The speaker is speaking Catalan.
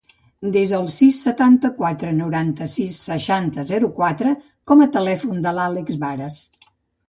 Desa el sis, setanta-quatre, noranta-sis, seixanta, zero, quatre com a telèfon de l'Àlex Varas.